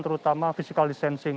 terutama physical distancing